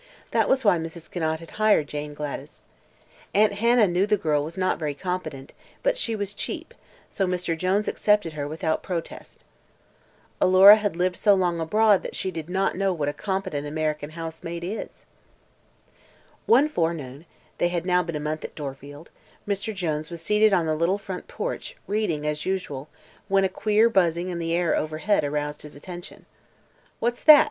That was why Mrs. Conant had hired Jane Gladys. Aunt Hannah knew the girl was not very competent, but she was cheap, so Mr. Jones accepted her without protest. Alora had lived so long abroad that she did not know what a competent American housemaid is. One forenoon they had now been a month at Dorfield Mr. Jones was seated on the little front porch, reading as usual, when a queer buzzing in the air overhead aroused his attention. "What's that?"